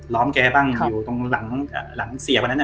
ล้อมแกบ้างอยู่ตรงหลังเสียวันนั้นอะ